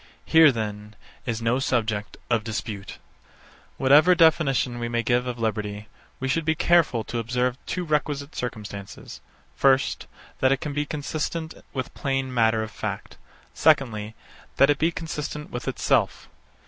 Here, then, is no subject of dispute. 74. Whatever definition we may give of liberty, we should be careful to observe two requisite circumstances; first, that it be consistent with plain matter of fact; secondly, that it be consistent with itself.